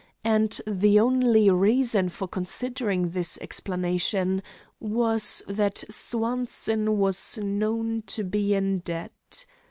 And the only reason for considering this explanation was that Swanson was known to be in debt.